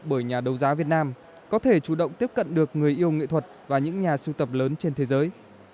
bởi nhà đấu giá việt nam có thể chủ động tiếp cận được người yêu nghệ thuật và những nhà sưu tập lớn trên thế giới